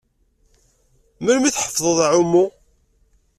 Melmi i tḥefḍeḍ aɛummu?